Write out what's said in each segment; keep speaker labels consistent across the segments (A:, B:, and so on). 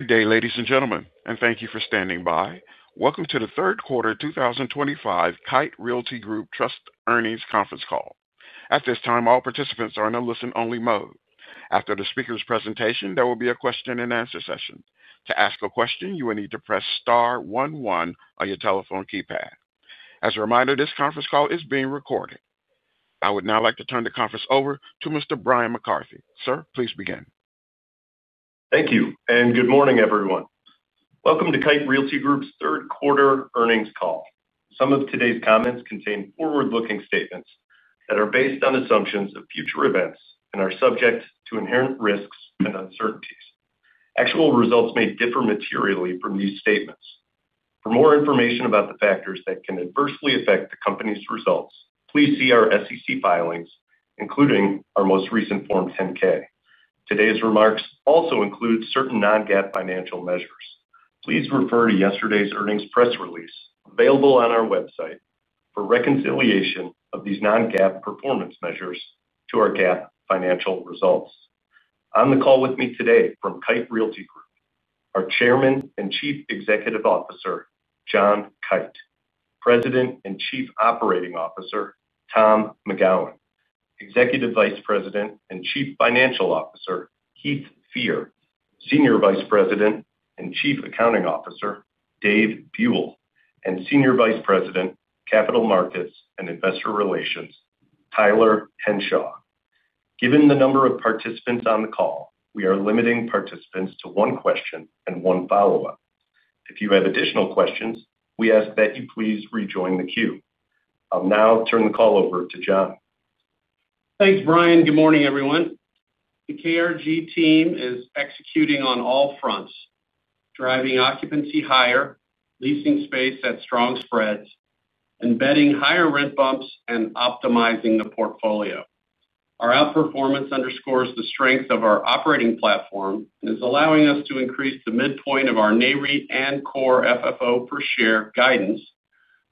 A: Good day, ladies and gentlemen, and thank you for standing by. Welcome to the third quarter 2025 Kite Realty Group Trust earnings conference call. At this time, all participants are in a listen-only mode. After the speaker's presentation, there will be a question and answer session. To ask a question, you will need to press Star 11 on your telephone keypad. As a reminder, this conference call is being recorded. I would now like to turn the conference over to Mr. Bryan McCarthy. Sir, please begin.
B: Thank you and good morning, everyone. Welcome to Kite Realty Group Trust's third quarter earnings call. Some of today's comments contain forward-looking statements that are based on assumptions of future events and are subject to inherent risks and uncertainties. Actual results may differ materially from these statements. For more information about the factors that can adversely affect the company's results, please see our SEC filings, including our most recent Form 10-K. Today's remarks also include certain non-GAAP financial measures. Please refer to yesterday's earnings press release available on our website for reconciliation of these non-GAAP performance measures to our GAAP financial results. On the call with me today from Kite Realty Group Trust are Chairman and Chief Executive Officer John Kite, President and Chief Operating Officer Tom McGowan, Executive Vice President and Chief Financial Officer Heath Fear, Senior Vice President and Chief Accounting Officer Dave Buell, and Senior Vice President Capital Markets and Investor Relations Tyler Henshaw. Given the number of participants on the call, we are limiting participants to one question and one follow-up. If you have additional questions, we ask that you please rejoin the queue. I'll now turn the call over to John.
C: Thanks, Bryan. Good morning, everyone. The KRG team is executing on all fronts, driving occupancy, higher leasing space at strong spreads, embedding higher rent bumps, and optimizing the portfolio. Our outperformance underscores the strength of our operating platform and is allowing us to increase the midpoint of our NAREIT and Core FFO per share guidance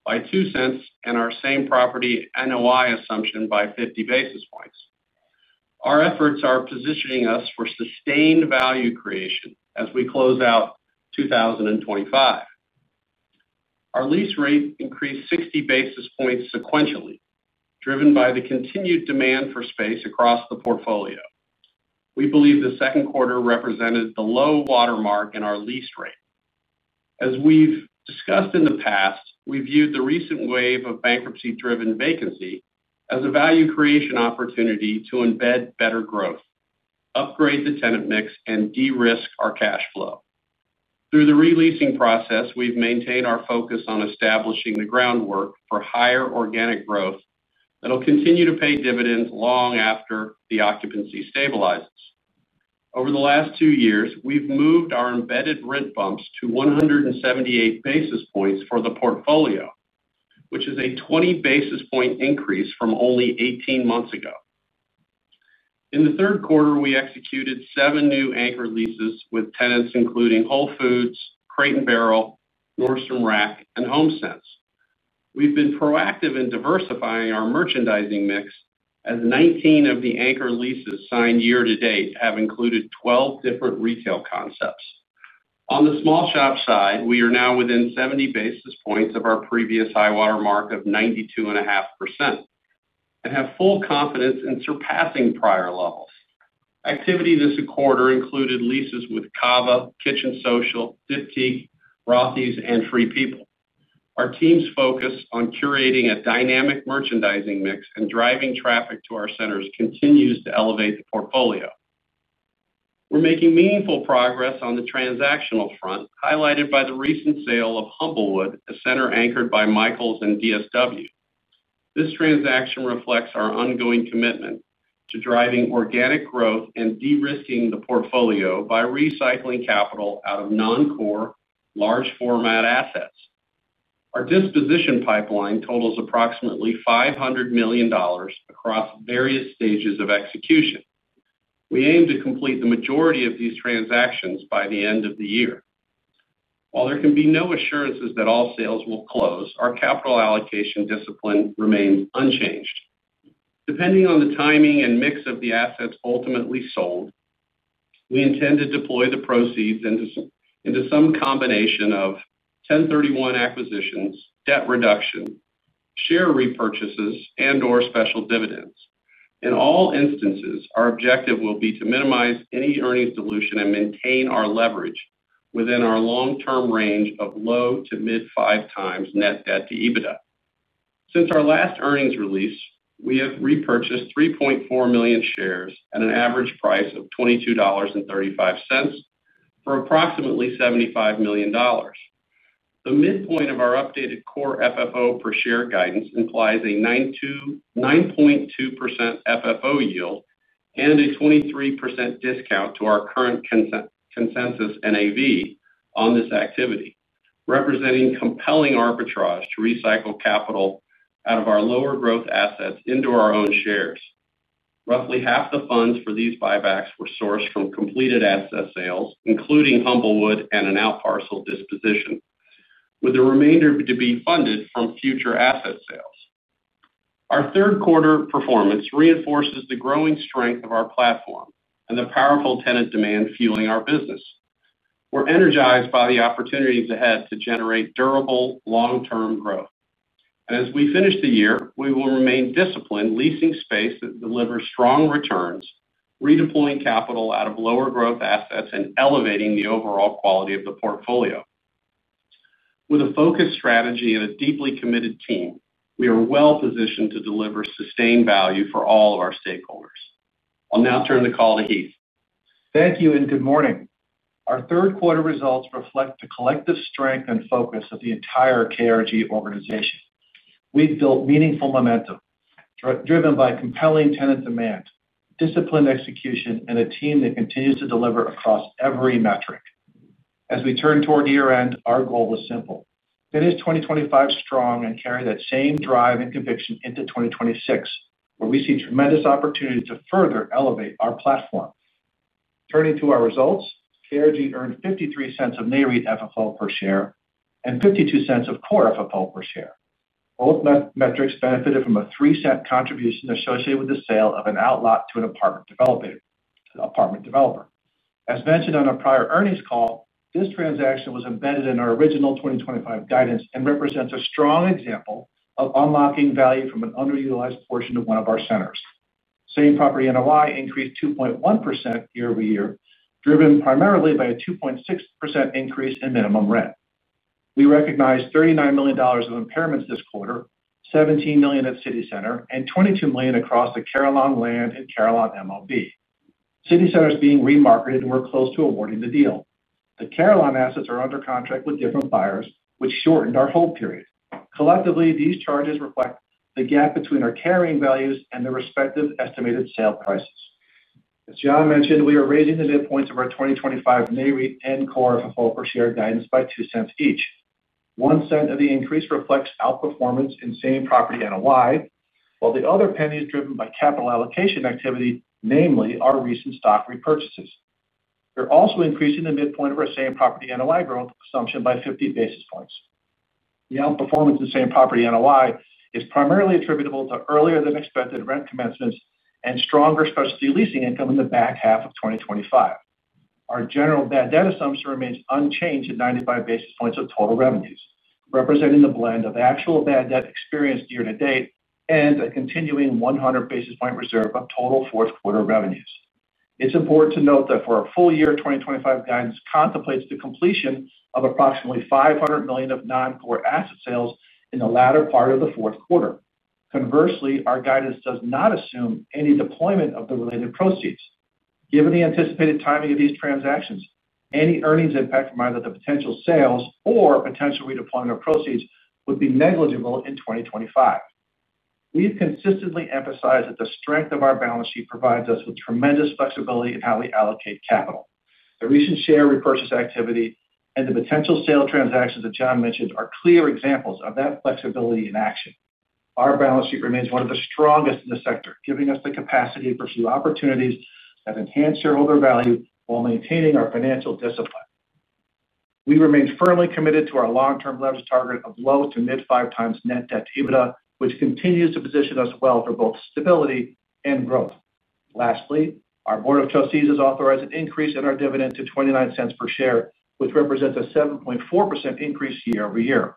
C: by $0.02 and our Same Property NOI assumption by 50 basis points. Our efforts are positioning us for sustained value creation. As we close out 2025, our lease rate increased 60 basis points sequentially, driven by the continued demand for space across the portfolio. We believe the second quarter represented the low watermark in our lease rate. As we've discussed in the past, we viewed the recent wave of bankruptcy-driven vacancy as a value creation opportunity to embed better growth, upgrade the tenant mix, and de-risk our cash flow. Through the re-leasing process, we've maintained our focus on establishing the groundwork for higher organic growth that will continue to pay dividends long after the occupancy stabilizes. Over the last 2 years, we've moved our embedded rent bumps to 178 basis points for the portfolio, which is a 20 basis point increase from only 18 months ago. In the third quarter, we executed 7 new anchor leases with tenants including Whole Foods, Crate and Barrel, Nordstrom Rack, and Homesense. We've been proactive in diversifying our merchandising mix as 19 of the anchor leases signed year to date have included 12 different retail concepts. On the small shop side, we are now within 70 basis points of our previous high-water mark of 92.5% and have full confidence in surpassing prior levels. Activity this quarter included leases with CAVA, Kitchen Social, Diptyque, Rothy's, and Free People. Our team's focus on curating a dynamic merchandising mix and driving traffic to our centers continues to elevate the portfolio. We're making meaningful progress on the transactional front, highlighted by the recent sale of Humblewood, a center anchored by Michaels and DSW. This transaction reflects our ongoing commitment to driving organic growth and de-risking the portfolio by recycling capital out of non-core large format assets. Our disposition pipeline totals approximately $500 million across various stages of execution. We aim to complete the majority of these transactions by the end of the year. While there can be no assurances that all sales will close, our capital allocation discipline remains unchanged. Depending on the timing and mix of the assets ultimately sold, we intend to deploy the proceeds into some combination of 1031 acquisitions, debt reduction, share repurchases, and/or special dividends. In all instances, our objective will be to minimize any earnings dilution and maintain our leverage within our long-term range of low to mid five times net debt to EBITDA. Since our last earnings release, we have repurchased 3.4 million shares at an average price of $22.35 for approximately $75 million. The midpoint of our updated Core FFO per share guidance implies a 9.2% FFO yield and a 23% discount to our current consensus NAV on this activity, representing compelling arbitrage to recycle capital out of our lower growth assets into our own shares. Roughly half the funds for these buybacks were sourced from completed asset sales, including Humblewood and an outparcel disposition, with the remainder to be funded from future asset sales. Our third quarter performance reinforces the growing strength of our platform and the powerful tenant demand fueling our business. We're energized by the opportunities ahead to generate durable long term growth. As we finish the year, we will remain disciplined, leasing space that delivers strong returns, redeploying capital out of lower growth assets, and elevating the overall quality of the portfolio. With a focused strategy and a deeply committed team, we are well positioned to deliver sustained value for all of our stakeholders. I'll now turn the call to Heath.
D: Thank you and good morning. Our third quarter results reflect the collective strength and focus of the entire KRG organization. We've built meaningful momentum driven by compelling tenant demand, disciplined execution, and a team that continues to deliver across every metric. As we turn toward year end, our goal is simple: finish 2025 strong and carry that same drive and conviction into 2026, where we see tremendous opportunity to further elevate our platform. Turning to our results, KRG earned $0.53 of NAREIT FFO per share and $0.52 of Core FFO per share. Both metrics benefited from a $0.03 contribution associated with the sale of an outlot to an apartment developer. As mentioned on a prior earnings call, this transaction was embedded in our original 2025 guidance and represents a strong example of unlocking value from an underutilized portion of one of our centers. Same Property NOI increased 2.1% year over year, driven primarily by a 2.6% increase in minimum rent. We recognized $39 million of impairments this quarter, $17 million at City Center and $22 million across the Carillon Land and Carillon Mobility. City Center is being remarketed and we're close to awarding the deal. The Carillon assets are under contract with different buyers, which shortened our hold period. Collectively, these charges reflect the gap between our carrying values and their respective estimated sale prices. As John mentioned, we are raising the midpoints of our 2025 NAREIT and Core FFO per share guidance by $0.02 each. $0.01 of the increase reflects outperformance in Same Property NOI, while the other penny is driven by capital allocation activity, namely our recent stock repurchases. We're also increasing the midpoint of our Same Property NOI growth assumption by 50 basis points. The outperformance in Same Property NOI is primarily attributable to earlier than expected rent commencements and stronger specialty leasing income in the back half of 2025. Our general bad debt assumption remains unchanged at 95 basis points of total revenues, representing the blend of actual bad debt experienced year to date and a continuing 100 basis point reserve of total fourth quarter revenues. It's important to note that our full year 2025 guidance contemplates the completion of approximately $500 million of non-core asset sales in the latter part of the fourth quarter. Conversely, our guidance does not assume any deployment of the related proceeds. Given the anticipated timing of these transactions, any earnings impact from either the potential sales or potential redeployment of proceeds would be negligible in 2025. We've consistently emphasized that the strength of our balance sheet provides us with tremendous flexibility in how we allocate capital. The recent share repurchase activity and the potential sale transactions that John mentioned are clear examples of that flexibility in action. Our balance sheet remains one of the strongest in the sector, giving us the capacity to pursue opportunities that enhance shareholder value and while maintaining our financial discipline, we remain firmly committed to our long term leverage target of low to mid five times net debt to EBITDA, which continues to position us well for both stability and growth. Lastly, our Board of Trustees has authorized an increase in our dividend to $0.29 per share, which represents a 7.4% increase year over year.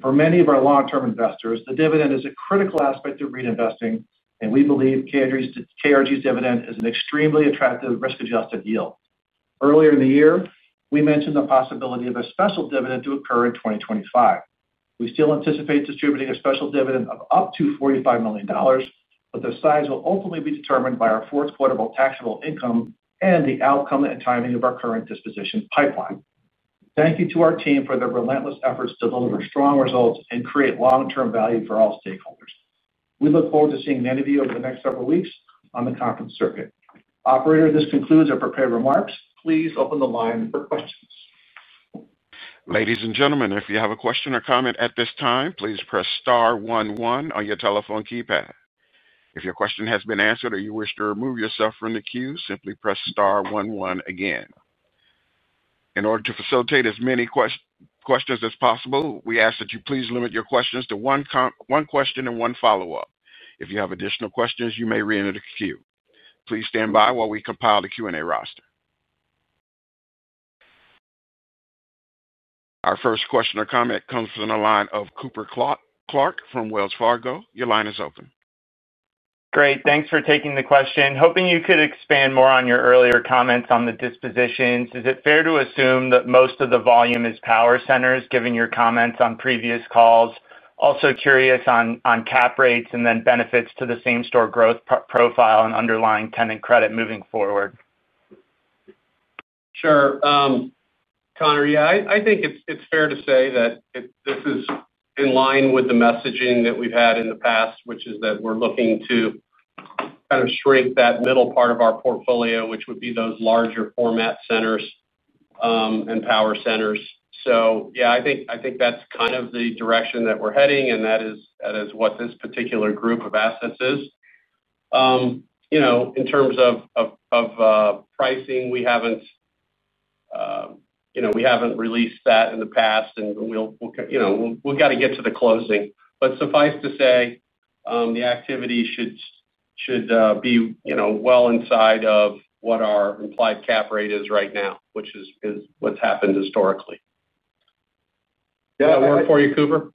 D: For many of our long term investors, the dividend is a critical aspect of REIT investing and we believe KRG's dividend is an extremely attractive risk adjusted yield. Earlier in the year we mentioned the possibility of a special dividend to occur in 2025. We still anticipate distributing a special dividend of up to $45 million, but the size will ultimately be determined by our fourth quarter of all taxable income and the outcome and timing of our current disposition pipeline. Thank you to our team for their relentless efforts to deliver strong results and create long-term value for all stakeholders. We look forward to seeing many of you over the next several weeks on the conference circuit. Operator, this concludes our prepared remarks. Please open the line for questions.
A: Ladies and gentlemen, if you have a question or comment at this time, please press Star 11 on your telephone keypad. If your question has been answered or you wish to remove yourself from the queue, simply press Star 11 again. In order to facilitate as many questions as possible, we ask that you please limit your questions to one question and one follow-up. If you have additional questions, you may re-enter the queue. Please stand by while we compile the Q&A roster. Our first question or comment comes from the line of Cooper Clark from Wells Fargo. Your line is open.
E: Great, thanks for taking the question. Hoping you could expand more on your earlier comments on the dispositions. Is it fair to assume that most of the volume is power centers, given your comments on previous calls? Also curious on cap rates and then benefits to the same-store growth profile and underlying tenant credit moving forward.
C: Sure. Cooper. Yeah, I think it's fair to say that this is in line with the messaging that we've had in the past, which is that we're looking to kind of shrink that middle part of our portfolio, which would be those larger format centers and power centers. I think that's kind of the direction that we're heading and that is what this particular group of assets is. In terms of pricing, we haven't released that in the past and we've got to get to the closing. Suffice to say the activity should be well inside of what our implied cap rate is right now, which is what's happened historically. Work for you, Cooper?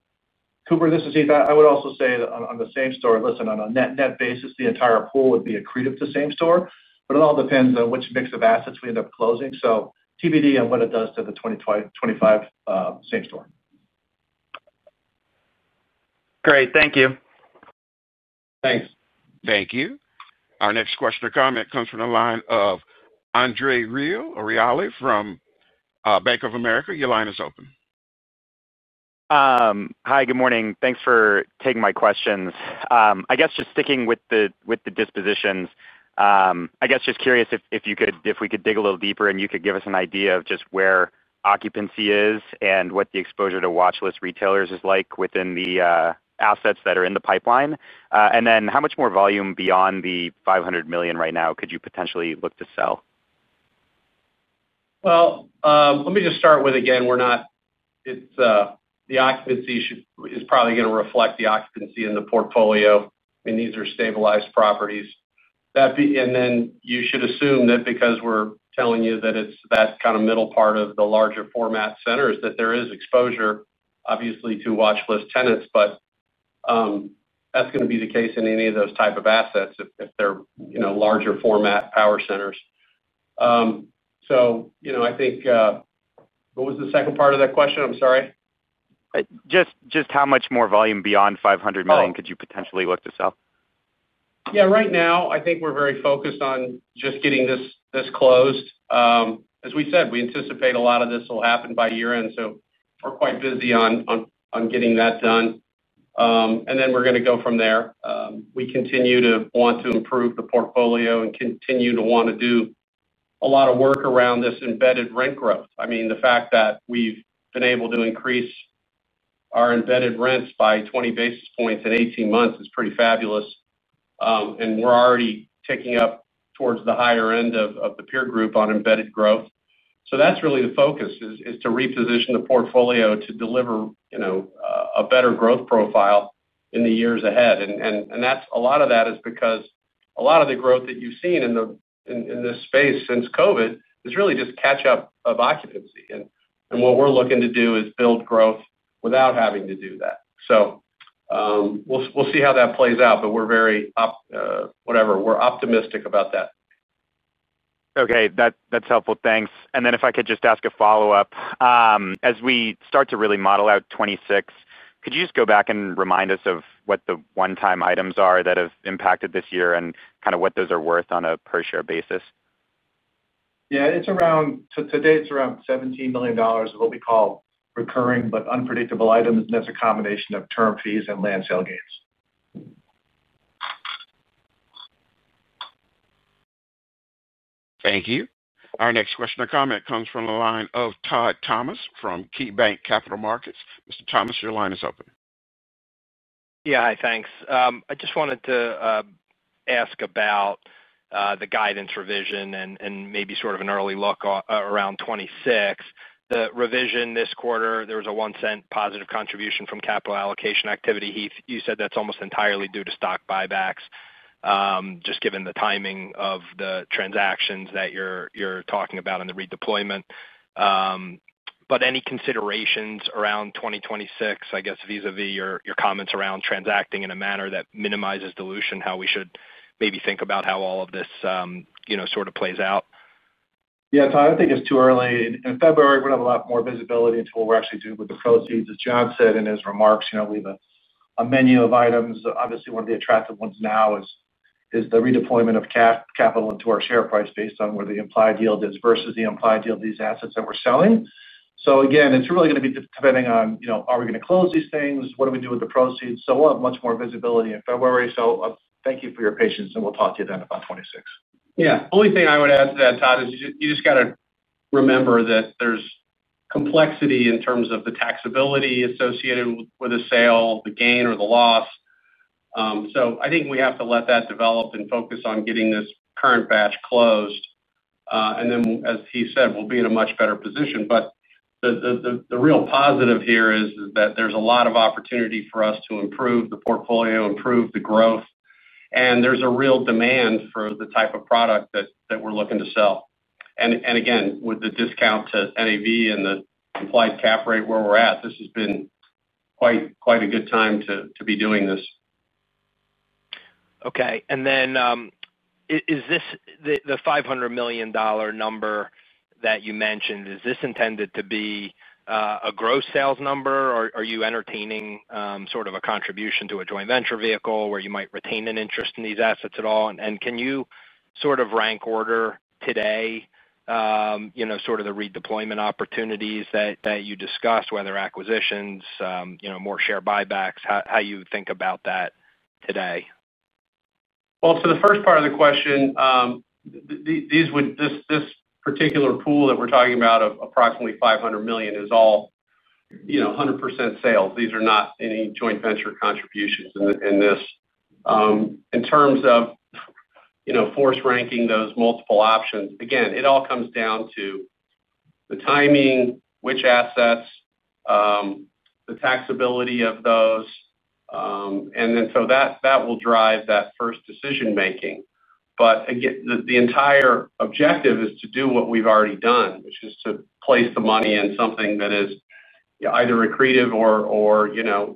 D: Cooper, this is Heath. I would also say on the same-store, listen, on a net, net basis, the entire pool would be accretive to same-store. It all depends on which mix of assets we end up closing. TBD and what it does to the 2025 same-store.
E: Great, thank you.
D: Thanks.
A: Thank you. Our next question or comment comes from the line of Andrew Reale from Bank of America. Your line is open.
F: Hi, good morning. Thanks for taking my questions. I guess just sticking with the dispositions, just curious if we could dig a little deeper and you could give us an idea of just where occupancy is and what the exposure to watch list retailers is like within the assets that are in the pipeline and then how much more volume beyond the $500 million right now could you potentially look to sell?
C: It's, the occupancy is probably going to reflect the occupancy in the portfolio and these are stabilized properties. You should assume that because we're telling you that it's that kind of middle part of the larger format centers, there is exposure obviously to watch list tenants. That's going to be the case in any of those type of assets if they're larger format power centers. I think, what was the second part of that question? I'm sorry.
F: Just how much more volume beyond $500 million could you potentially look to sell?
C: Right now I think we're very focused on just getting this closed. As we said, we anticipate a lot of this will happen by year end. We're quite busy on getting that done and then we're going to go from there. We continue to want to improve the portfolio and continue to want to do a lot of work around this embedded rent growth. The fact that we've been able to increase our embedded rents by 20 basis points in 18 months is pretty fabulous. We're already ticking up towards the higher end of the peer group on embedded growth. That's really the focus, to reposition the portfolio to deliver a better growth profile in the years ahead. A lot of that is because a lot of the growth that you've seen in this space since COVID is really just catch up of occupancy. What we're looking to do is build growth without having to do that. We'll see how that plays out. We're optimistic about that.
F: Okay, that's helpful, thanks. If I could just ask a follow up as we start to really model out 2026, could you just go back and remind us of what the one-time items are that have impacted this year and kind of what those are worth on a per share basis?
C: Yeah, today it's around $17 million of what we call recurring but unpredictable items. That's a combination of term fees and land sale gains.
A: Thank you. Our next question or comment comes from the line of Todd Thomas from KeyBanc Capital Markets. Mr. Thomas, your line is open.
G: Yeah, thanks. I just wanted to ask about the guidance revision and maybe sort of an early look around 2026, the revision this quarter there was a $0.01 positive contribution from capital allocation activity. Heath, you said that's almost entirely due to stock buybacks. Just given the timing of the transactions that you're talking about in the redeployment. Any considerations around 2026, I guess vis a vis your comments around transacting in a manner that minimizes dilution, how we should maybe think about how all of this sort of plays out.
D: Yeah, Todd, I think it's too early in February. We'll have a lot more visibility into what we're actually doing with the proceeds. As John said in his remarks, we have a menu of items. Obviously one of the attractive ones now is the redeployment of capital into our share price based on where the implied yield is versus the implied yield of these assets that we're selling. Again, it's really going to be depending on, you know, are we going to close these things, what do we do with the proceeds? We'll have much more visibility in February. Thank you for your patience, and we'll talk to you then about 2026.
C: Yeah. Only thing I would add to that, Todd, is you just got to remember that there's complexity in terms of the taxability associated with a sale, the gain or the loss. I think we have to let that develop and focus on getting this current batch closed. As he said, we'll be in a much better position. The real positive here is that there's a lot of opportunity for us to improve the portfolio, improve the growth, and there's a real demand for the type of product that we're looking to sell. Again, with the discount to NAV and the implied cap rate where we're at, this has been quite a good time to be doing this.
G: Okay, and then is this the $500 million number that you mentioned? Is this intended to be a gross sales number, or are you entertaining sort of a contribution to a joint venture vehicle where you might retain an interest in these assets at all? Can you sort of rank order today, sort of the redeployment opportunities that you discussed, whether acquisitions, more share buybacks, how you think about that?
C: The first part of the question, this particular pool that we're talking about of approximately $500 million is all, you know, 100% sales. These are not any joint venture contributions in this, in terms of, you know, force ranking those multiple options. It all comes down to the timing, which assets, the taxability of those, and then that will drive that first decision making. The entire objective is to do what we've already done, which is to place the money in something that is either accretive or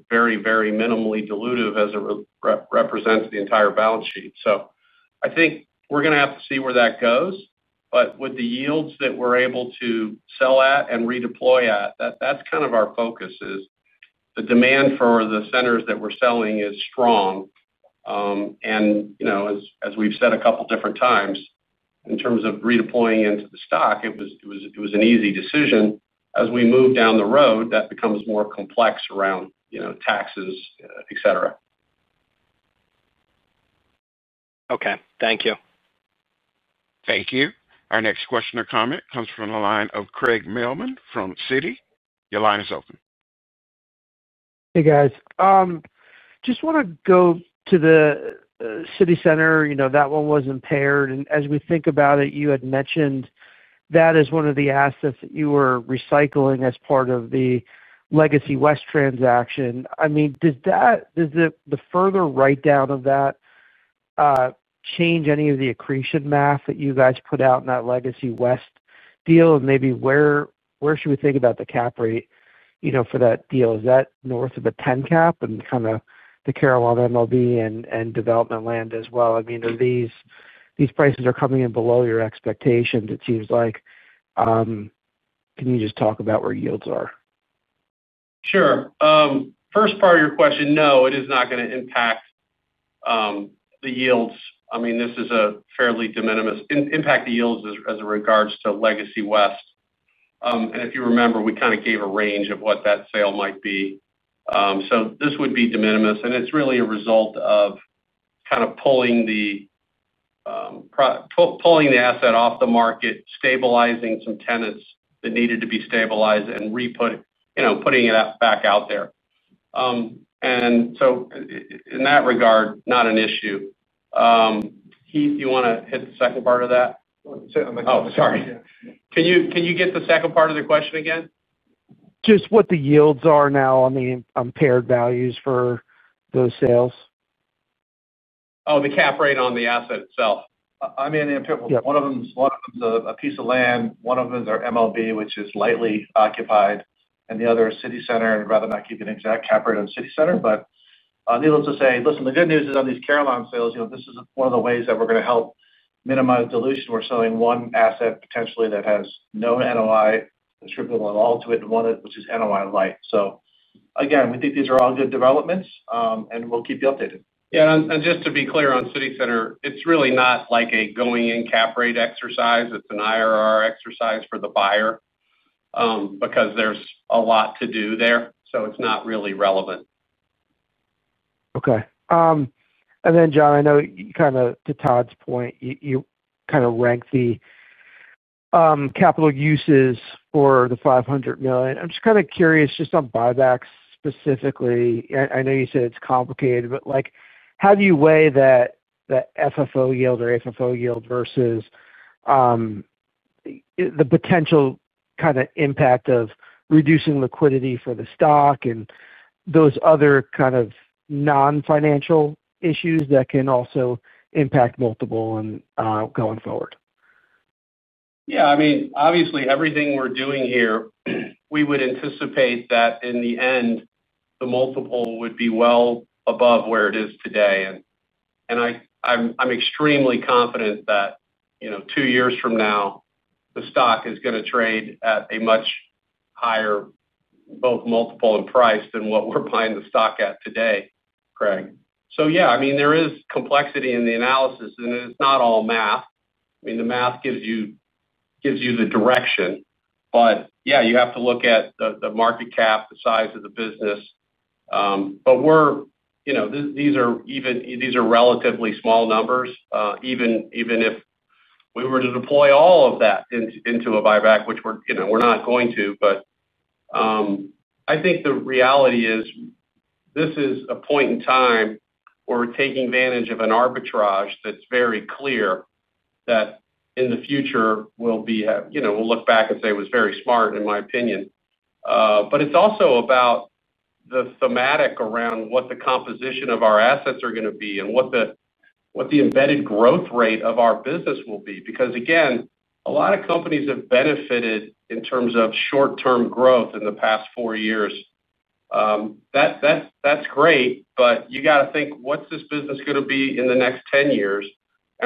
C: very, very minimally dilutive as it represents the entire balance sheet. I think we're going to have to see where that goes. With the yields that we're able to sell at and redeploy at, that's kind of our focus, the demand for the centers that we're selling is strong. As we've said a couple different times, in terms of redeploying into the stock, it was an easy decision. As we move down the road, that becomes more complex around taxes, et cetera.
A: Okay, thank you. Thank you. Our next question or comment comes from the line of Craig Mailman from Citi. Your line is open.
H: Hey, guys, just want to go to the City Center. You know, that one was impaired. As we think about it, you had mentioned that as one of the assets that you were recycling as part of the Legacy West transaction. Does the further write down of that change any of the accretion math that you guys put out in that Legacy West deal? Maybe where should we think about the cap rate for that deal? Is that north of a 10 cap and kind of the Carolina MLB and development land as well? These prices are coming in below your expectations, it seems like. Can you just talk about where yields are?
C: Sure. First part of your question. No, it is not going to impact the yields. This is a fairly de minimis impact to the yields as regards to Legacy West. If you remember, we kind of gave a range of what that sale might be. This would be de minimis. It's really a result of kind of pulling the asset off the market, stabilizing some tenants that needed to be stabilized and putting it back out there. In that regard, not an issue. Heath, you want to hit the second part of that? Oh, sorry, can you get the second part of the question again.
H: Just what the yields are now on the impaired values for those sales?
C: Oh, the cap rate on the asset itself. One of them is a piece of land, one of them is our MLB, which is lightly occupied, and the other is City Center. I'd rather not keep an exact cap rate on City Center. Needless to say, listen, the good news is on these carillon sales, this is one of the ways that we're going to help minimize dilution. We're selling one asset potentially that has no NOI attributable at all to it, which is NOI lite. We think these are all good developments and we'll keep you updated. Yeah, and just to be clear on City Center, it's really not like a going in cap rate exercise. It's an IRR exercise for the buyer because there's a lot to do there. It's not really relevant.
H: Okay. John, I know to Todd's point, you kind of rank the capital uses for the $500 million. I'm just kind of curious. Just on buybacks specifically, I know you said it's complicated, but how do you weigh that FFO yield or FFO yield versus the potential kind of impact of reducing liquidity for the stock and those other kind of non-financial issues that can also impact multiple going forward?
C: I mean, obviously everything we're doing here, we would anticipate that in the end the multiple would be well above where it is today. I'm extremely confident that two years from now the stock is going to trade at a much higher, higher both multiple and price than what we're buying the stock at today, Craig. There is complexity in the analysis and it's not all math. The math gives you the direction. You have to look at the market cap, the size of the business. These are even, these are relatively small numbers. Even if we were to deploy all of that into a buyback, which we're not going to. I think the reality is this is a point in time where we're taking advantage of an arbitrage. That's very clear that in the future we'll look back and say it was very smart in my opinion. It's also about the thematic around what the composition of our assets are going to be and what the embedded growth rate of our business will be. A lot of companies have benefited in terms of short term growth in the past four years. That's great. You got to think, what's this business going to be in the next 10 years?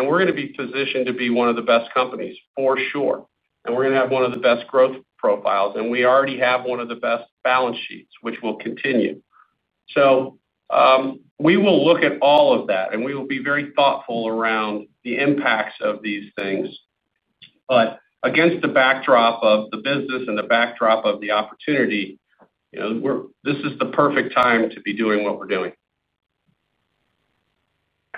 C: We're going to be positioned to be one of the best companies for sure and we're going to have one of the best growth profiles and we already have one of the best balance sheets which will continue. We will look at all of that and we will be very thoughtful around the impacts of these things. Against the backdrop of the business and the backdrop of the opportunity, this is the perfect time to be doing what we're doing.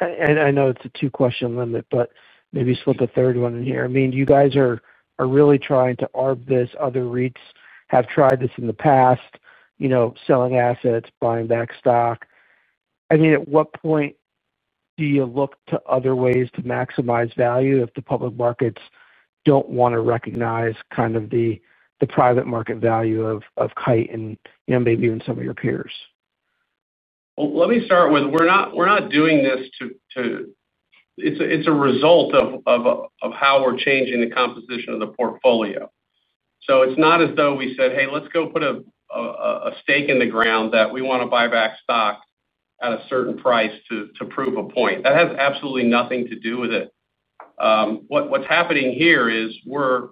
H: I know it's a two question limit, but maybe slip a third one in here. I mean, you guys are really trying to arb this. Other REITs have tried this in the past, selling assets, buying back stock. At what point do you look to other ways to maximize value if the public markets don't want to recognize kind of the private market value of Kite and maybe even some of your peers?
C: Let me start with we're not doing this. It's a result of how we're changing the composition of the portfolio. It's not as though we said, hey, let's go put a stake in the ground that we want to buy back stock at a certain price to prove a point. That has absolutely nothing to do with it. What's happening here is we're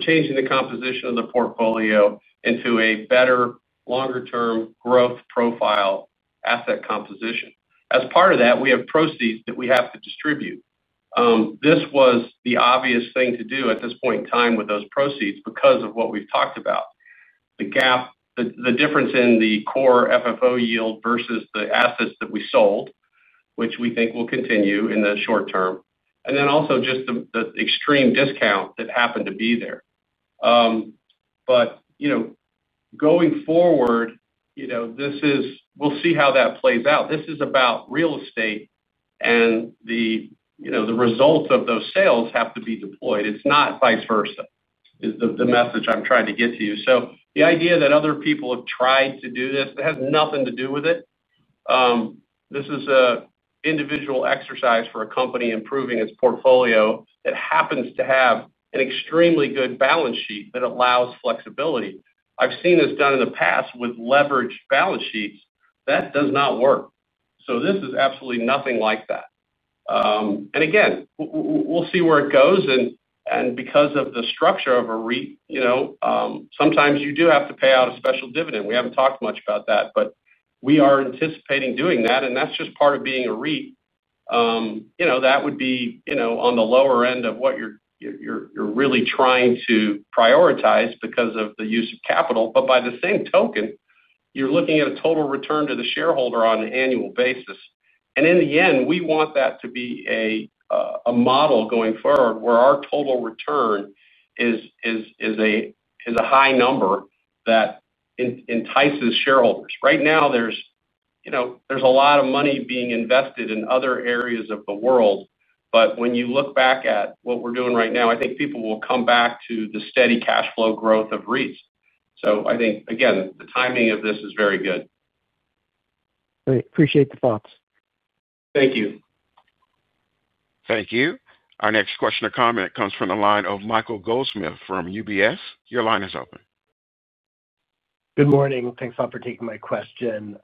C: changing the composition of the portfolio into a better longer term growth profile asset composition. As part of that, we have proceeds that we have to distribute. This was the obvious thing to do at this point in time with those proceeds because of what we've talked about, the gap, the difference in the Core FFO yield versus the assets that we sold, which we think will continue in the short term, and then also just the extreme discount that happened to be there. Going forward, we'll see how that plays out. This is about real estate, and the results of those sales have to be deployed. It's not vice versa, is the message I'm trying to get to you. The idea that other people have tried to do this, that has nothing to do with it. This is an individual exercise for a company improving its portfolio that happens to have an extremely good balance sheet that allows flexibility. I've seen this done in the past with leveraged balance sheets. That does not work. This is absolutely nothing like that. Again, we'll see where it goes. Because of the structure of a REIT, sometimes you do have to pay out a special dividend. We haven't talked much about that, but we are anticipating doing that. That's just part of being a REIT. That would be on the lower end of what you're really trying to prioritize because of the use of capital. By the same token, you're looking at a total return to the shareholder on an annual basis. In the end, we want that to be a model going forward where our total return is a high number that entices shareholders. Right now, there's a lot of money being invested in other areas of the world, but when you look back at what we're doing right now, I think people will come back to the steady cash flow, growth of REITs. I think, again, the timing of this is very good.
H: Appreciate the thoughts.
C: Thank you.
A: Thank you. Our next question or comment comes from the line of Michael Goldsmith from UBS. Your line is open.
I: Good morning. Thanks a lot for taking my question.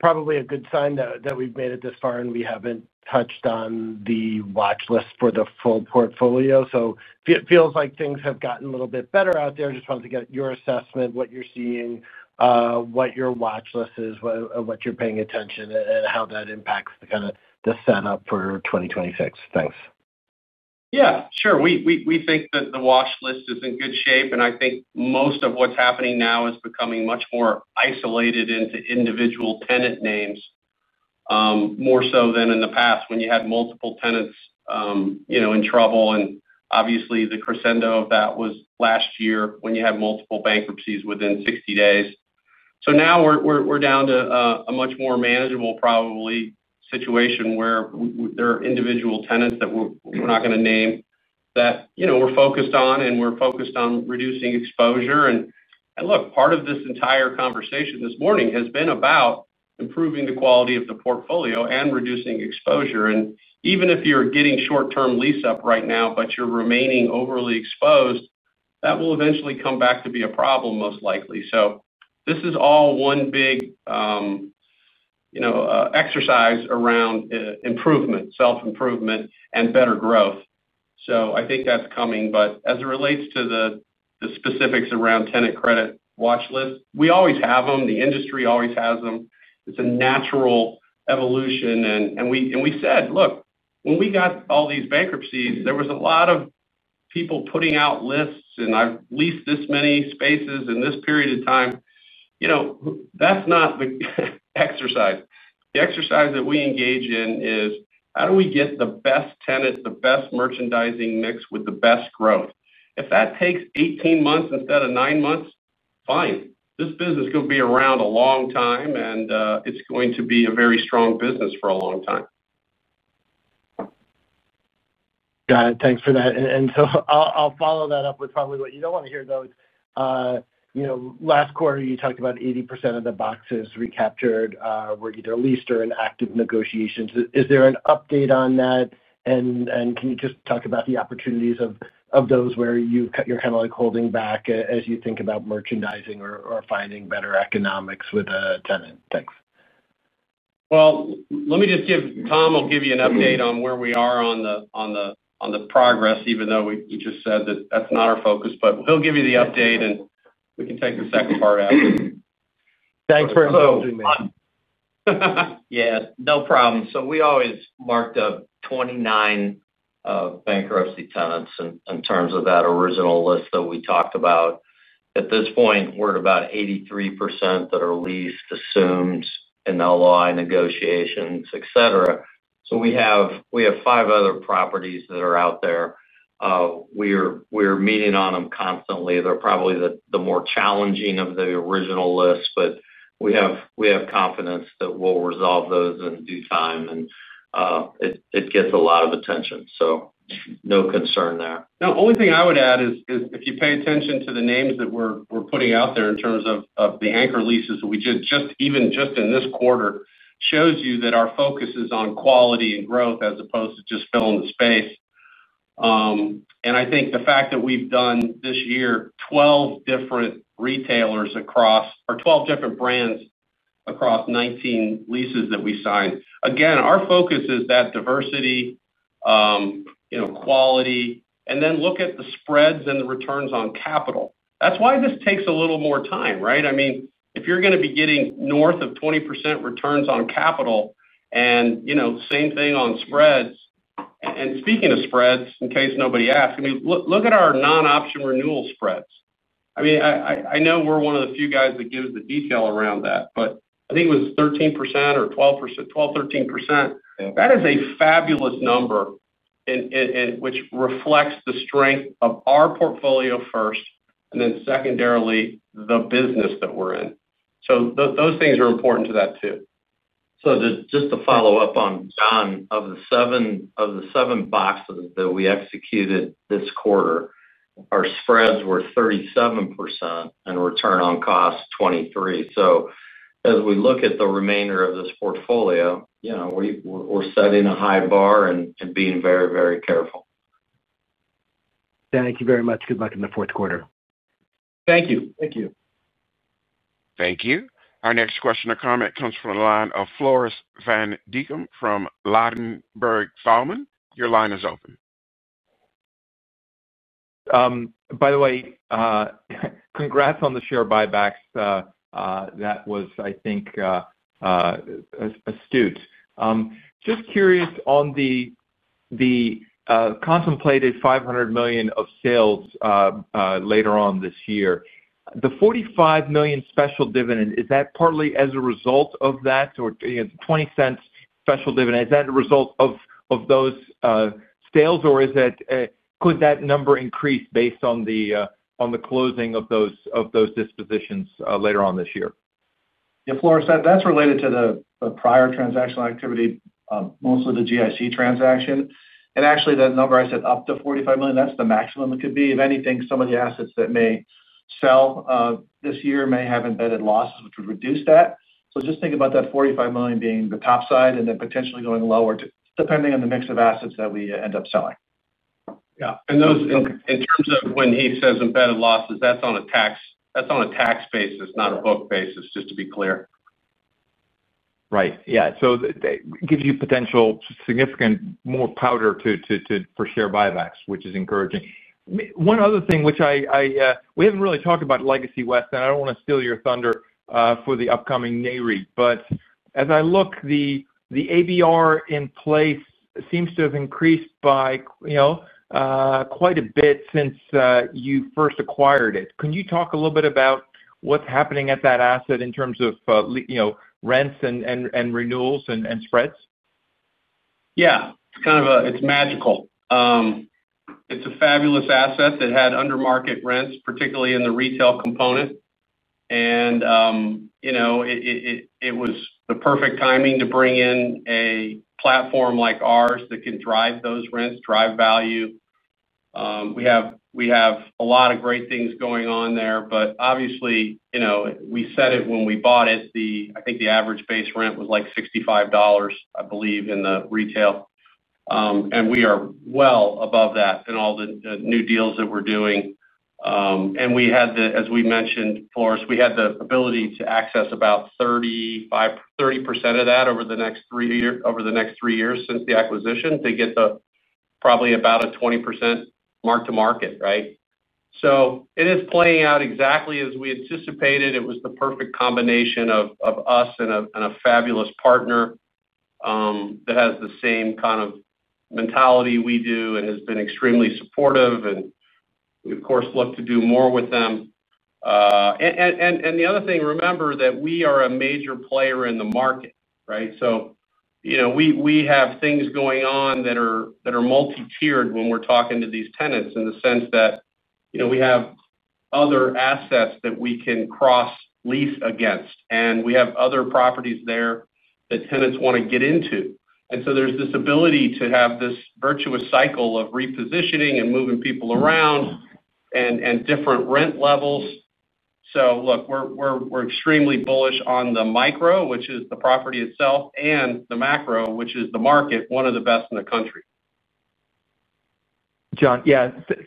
I: Probably a good sign that we've made it this far, and we haven't touched on the watch list for the full portfolio, so it feels like things have gotten a little bit better out there. Just wanted to get your assessment, what you're seeing, what your watch list is, what you're paying attention to, and how that impacts the kind of the setup for 2026. Thanks.
C: Yeah, sure. We think that the watch list is in good shape, and I think most of what's happening now is becoming much more isolated into individual tenant names, more so than in the past, when you had multiple tenants in trouble. Obviously, the crescendo of that was last year when you had multiple bankruptcies within 60 days. Now we're down to a much more manageable situation where there are individual tenants that we're not going to name that we're focused on, and we're focused on reducing exposure. Part of this entire conversation this morning has been about improving the quality of the portfolio and reducing exposure. Even if you're getting short term lease up right now, but you're remaining overly exposed, that will eventually come back to be a problem, most likely. This is all one big exercise around improvement, self improvement, and better growth. I think that's coming. As it relates to the specifics around tenant credit watch list, we always have them, the industry always has them. It's a natural evolution. We said, look, when we got all these bankruptcies, there was a lot of people putting out lists and I've leased this many spaces in this period of time. That's not the exercise. The exercise that we engage in is how do we get the best tenant, the best merchandising mix with the best growth. If that takes 18 months instead of 9 months, fine. This business could be around a long time and it's going to be a very strong business for a long time.
I: Got it. Thanks for that. I'll follow that up with probably what you don't want to hear though. You know, last quarter you talked about 80% of the boxes recaptured were either leased or in active negotiations. Is there an update on that? Can you just talk about the opportunities of those where you are kind of like holding back as you think about merchandising or finding better economics with a tenant? Thanks.
C: Let me just give. Tom will give you an update on where we are on the progress. Even though we just said that is not our focus, he'll give you the update and we can take the second part out.
J: Thanks for. Yeah, no problem. We always marked up 29 bankruptcy tenants in terms of that original list that we talked about. At this point, we're at about 83% that are leased, assumed in LOI negotiations, et cetera. We have five other properties that are out there. We are meeting on them constantly. They're probably the more challenging of the original list, but we have confidence that we'll resolve those in due time and it gets a lot of attention, so no concern there.
C: Only thing I would add is if you pay attention to the names that we're putting out there in terms of the anchor leases that we did just, even just in this quarter, shows you that our focus is on quality and growth as opposed to just filling the space. I think the fact that we've done this year 12 different retailers across or 12 different brands across 19 leases that we signed. Again, our focus is that diversity, quality, and then look at the spreads and the returns on capital. That's why this takes a little more time, right? I mean, if you're going to be getting north of 20% returns on capital and, you know, same thing on spreads. Speaking of spreads, in case nobody asks, look at our non option renewal spreads. I know we're one of the few guys that gives the detail around that, but I think it was 13% or 12%, 13%. That is a fabulous number which reflects the strength of our portfolio first and then secondarily the business that we're in. Those things are important to that too.
J: Just to follow up on, John, of the seven boxes that we executed this quarter, our spreads were 37% and return on cost, 23. As we look at the remainder of this portfolio, you know, we're setting a high bar and being very, very careful.
I: Thank you very much. Good luck in the fourth quarter.
C: Thank you.
J: Thank you.
A: Thank you. Our next question or comment comes from the line of Floris van Dijkum from Ladenburg Thalmann. Your line is open.
K: By the way, congrats on the share buybacks. That was, I think, astute. Just curious on the contemplated $500 million of sales later on this year, the $45 million special dividend, is that partly as a result of that or $0.20 special dividend, is that a result of those sales or could that number increase based on the closing of those dispositions later on this year?
D: Yeah, Floris. That's related to the prior transactional activity, mostly the GIC transaction. Actually, that number, I said up to $45 million. That's the maximum it could be. If anything, some of the assets that may sell this year may have embedded losses which would reduce that. Just think about that $45 million being the top side and then potentially going lower depending on the mix of assets that we end up selling.
C: In terms of when he says embedded losses, that's on a tax basis, not a book basis, just to be clear.
K: Right, yeah. It gives you potential, significant more powder for share buybacks, which is encouraging. One other thing which we haven't really talked about, Legacy West, and I don't want to steal your thunder for the upcoming NAREIT, but as I look, the ABR in place seems to have increased by quite a bit since you first acquired it. Can you talk a little bit about what's happening at that asset in terms of rents and renewals and spreads?
C: Yeah, it's magical. It's a fabulous asset that had under market rents, particularly in the retail component. It was the perfect timing to bring in a platform like ours that can drive those rents, drive value. We have a lot of great things going on there. Obviously, we said it when we bought it. I think the average base rent was like $65, I believe, in the retail, and we are well above that in all the new deals that we're doing. As we mentioned, Floris, we had the ability to access about 30% of that over the next three years since the acquisition to get probably about a 20% mark to market. Right. It is playing out exactly as we anticipated. It was the perfect combination of us and a fabulous partner that has the same kind of mentality we do and has been extremely supportive and of course look to do more with them. The other thing, remember that we are a major player in the market, right. We have things going on that are multi-tiered when we're talking to these tenants in the sense that we have other assets that we can cross lease against and we have other properties there that tenants want to get into. There's this ability to have this virtuous cycle of repositioning and moving people around and different rent levels. We're extremely bullish on the micro, which is the property itself, and the macro, which is the market. One of the best in the country.
K: John?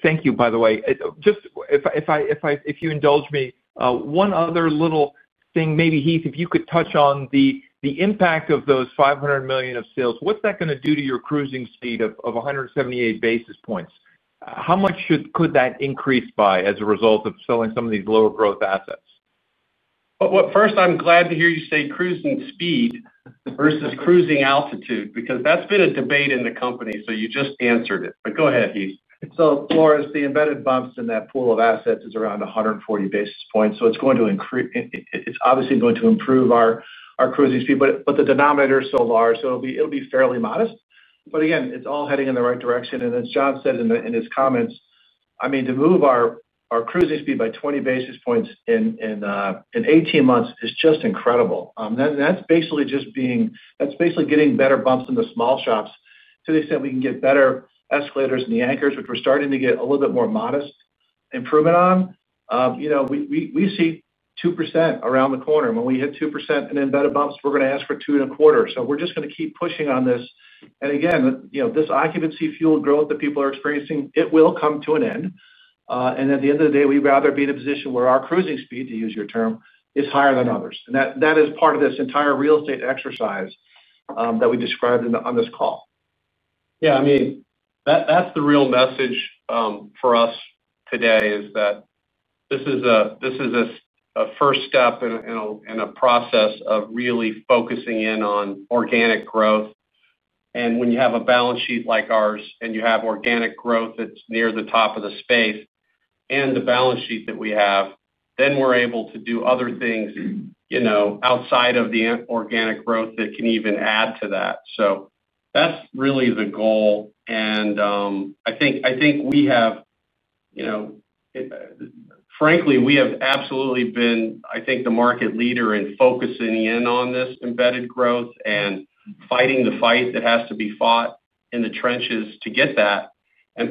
K: Thank you. By the way, just if you indulge me, one other little thing, maybe Heath, if you could touch on the impact of those $500 million of sales, what's that going to do to your cruising speed of 178 basis points? How much could that increase by as a result of selling some of these lower growth assets?
C: First, I'm glad to hear you say cruising speed versus cruising altitude because that's been a debate in the company. You just answered it. Go ahead, Heath.
D: Floris, the embedded bumps in that pool of assets is around 140 basis points. It's going to increase. It's obviously going to improve our cruising speed, but the denominator is so large, so it'll be fairly modest. Again, it's all heading in the right direction. As John said in his comments, to move our cruising speed by 20 basis points in 18 months is just incredible. That's basically just getting better bumps in the small shops. To the extent we can get better escalators in the anchors, which we're starting to get a little bit more modest improvement on, we see 2% around the corner. When we hit 2% in embedded bumps, we're going to ask for 2.25%. We're just going to keep pushing on this. This occupancy-fueled growth that people are experiencing will come to an end. At the end of the day, we'd rather be in a position where our cruising speed, to use your term, is higher than others. That is part of this entire real estate exercise that we described on this call.
C: That's the real message for us today, that this is a first step in a process of really focusing in on organic growth. When you have a balance sheet like ours and you have organic growth that's near the top of the space and the balance sheet that we have, then we're able to do other things outside of the organic growth that can even add to that. That's really the goal. I think we have, you know, frankly, we have absolutely been, I think, the market leader in focusing in on this embedded growth and fighting the fight that has to be fought in the trenches to get that.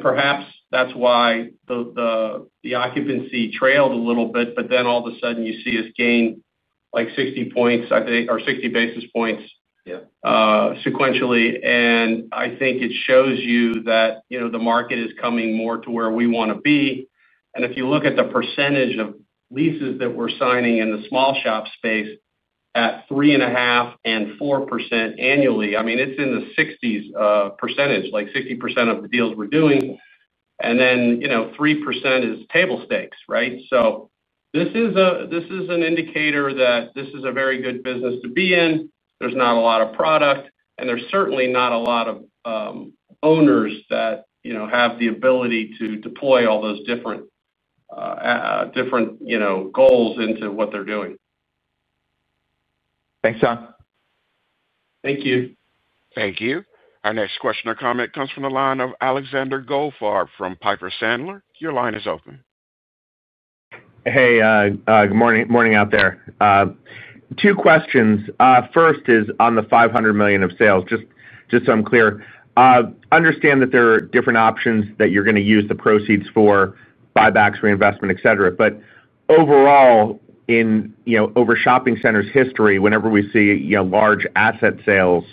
C: Perhaps that's why the occupancy trailed a little bit. Then all of a sudden you see us gain like 60 basis points sequentially. I think it shows you that the market is coming more to where we want to be. If you look at the percentage of leases that we're signing in the small shop space at 3.5% and 4% annually, I mean, it's in the 60% range, like 60% of the deals we're doing. Then, you know, 3% is table stakes. Right. This is an indicator that this is a very good business to be in. There's not a lot of product and there's certainly not a lot of owners that have the ability to deploy all those different, different goals into what they're doing.
K: Thanks, John.
C: Thank you.
A: Thank you. Our next question or comment comes from the line of Alexander Goldfarb from Piper Sandler. Your line is open.
L: Hey, good morning out there. Two questions. First is on the $500 million of sales. Just so I'm clear. Understand that there are different options, that you're going to use the proceeds for buybacks, reinvestment, et cetera. Overall, over shopping centers history, whenever we see large asset sales,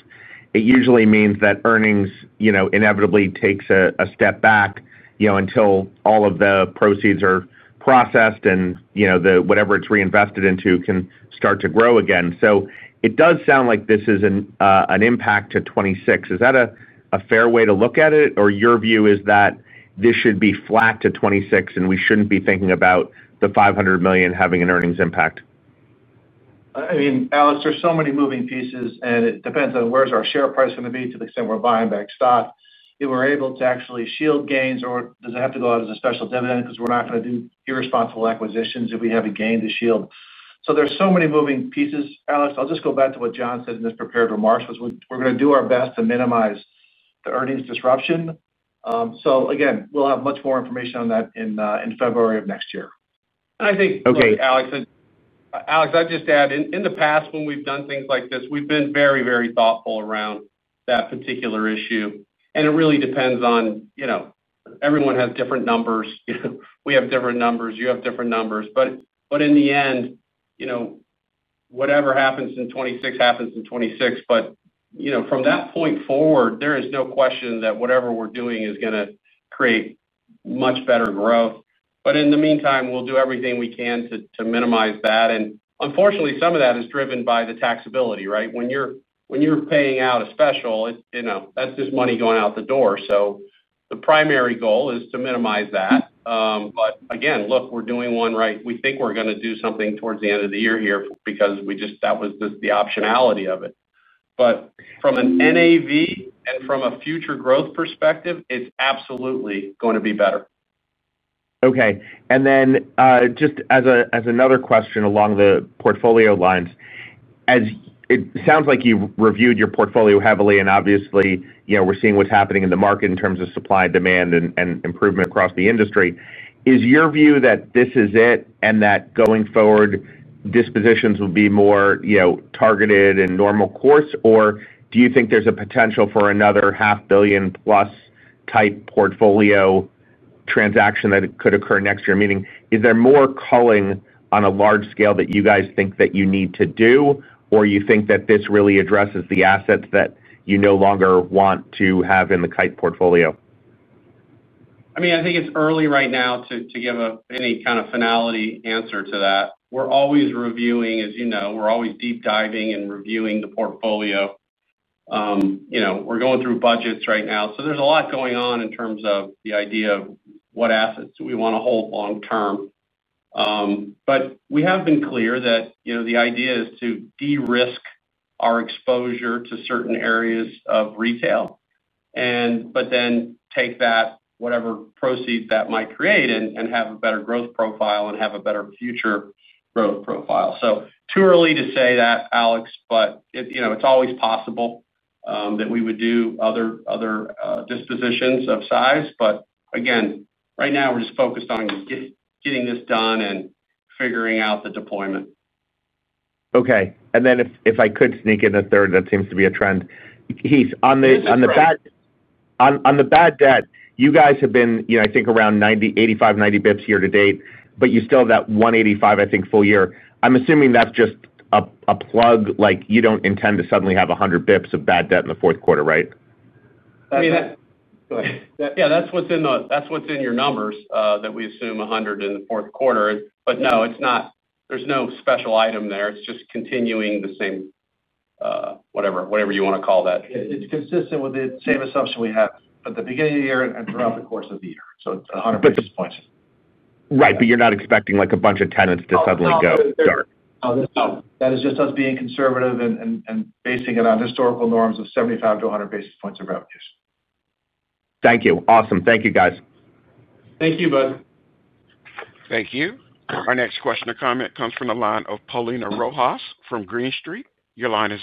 L: it usually means that earnings inevitably takes a step back until all of the proceeds are processed and whatever it's reinvested into can start to grow again. It does sound like this is an impact to 2026. Is that a fair way to look at it? Or your view is that this should be flat to 2026 and we shouldn't be thinking about the $500 million having an earnings impact.
C: I mean, Alex, there's so many moving pieces, and it depends on where's our share price going to be to the extent we're buying back stock if we're able to actually shield gains, or does it have to go out as a special dividend because we're not going to do irresponsible acquisitions if we have a gain to shield. There's so many moving pieces. Alex, I'll just go back to what John said in his prepared remarks, we're going to do our best to minimize the earnings disruption. Again, we'll have much more information on that in February of next year. I think, Alex, I'd just add in the past when we've done things like this, we've been very, very thoughtful around that particular issue. It really depends on, you know, everyone has different numbers, we have different numbers, you have different numbers. In the end, you know, whatever happens in 2026 happens in 2026. From that point forward, there is no question that whatever we're doing is going to create much better growth. In the meantime, we'll do everything we can to minimize that. Unfortunately, some of that is driven by the taxability. Right. When you're paying out a special, that's just money going out the door. The primary goal is to minimize that. Again, look, we're doing one right. We think we're going to do something towards the end of the year here because that was the optionality of it. From a NAV and from a future growth perspective, it's absolutely going to be better. Okay. Just as another question along the portfolio lines, it sounds like you reviewed your portfolio heavily and obviously we're seeing what's happening in the market in terms of supply, demand, and improvement across the industry. Is your view that this is it and that going forward dispositions will be more targeted and normal course, or do you think there's a potential for another half billion plus type portfolio transaction that could occur next year? Meaning is there more culling on a large scale that you guys think that you need to do, or you think that this really addresses the assets that you no longer want to have in the Kite Realty Group Trust portfolio?
D: I think it's early right now to give any kind of finality answer to that. We're always reviewing, as you know, we're always deep diving and reviewing the portfolio. We're going through budgets right now. There's a lot going on in terms of the idea of what assets we want to hold long term. We have been clear that the idea is to de-risk our exposure to certain areas of retail, but then take that whatever proceeds that might create and have a better growth profile and have a better future growth profile. Too early to say that, Alex, but it's always possible that we would do other dispositions of size. Right now we're just focused on getting this done and figuring out the deployment.
L: Okay. If I could sneak in a third. That seems to be a trend. Heath, on the bad debt, you guys have been, I think, around 90, 85, 90 bps year to date, but you still have that 185, I think, full year. I'm assuming that's just a plug. Like you don't intend to suddenly have 100 bps of bad debt in the fourth quarter, right?
D: Yeah. That's what's in your numbers, that we assume 100 in the fourth quarter. No, it's not. There's no special item there. It's just continuing the same, whatever you want to call that. It's consistent with the same assumption we have at the beginning of the year and throughout the course of the year. So 100 basis points.
L: Right. You're not expecting like a bunch of tenants to suddenly go dark.
D: That is just us being conservative and basing it on historical norms of 75 to 100 basis points of revenues.
L: Thank you. Awesome. Thank you, guys.
C: Thank you, bud.
A: Thank you. Our next question or comment comes from the line of Paulina Rojas from Green Street. Your line is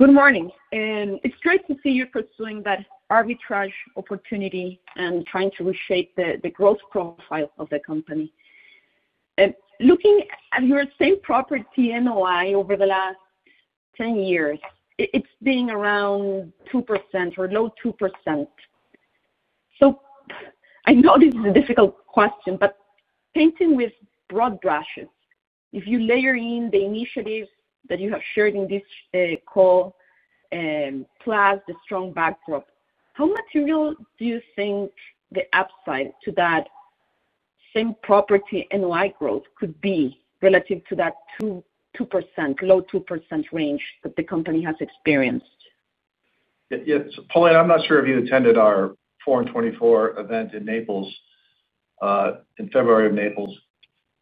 A: good morning.
M: It's great to see you pursuing that arbitrage opportunity and trying to reshape the growth profile of the company. Looking at your Same Property NOI over the last 10 years, it's been around 2% or low 2%. I know this is a difficult question, but painting with broad brushes, if you layer in the initiatives that you have shared in this call, plus the strong backdrop, how material do you think the upside to that Same Property NOI growth could be relative to that low 2% range that the company has experienced?
D: Paulina, I'm not sure if you attended our 4 in 24 event in Naples in February,